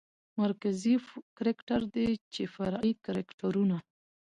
مرکزي کرکتر دى چې فرعي کرکترونه